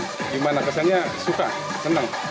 gimana pesannya suka senang